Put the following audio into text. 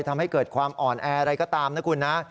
ทำให้เกิดความอ่อนแออะไรก็ตามนะคุณนะ